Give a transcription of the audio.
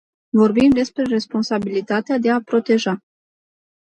Vorbim despre responsabilitatea de a proteja.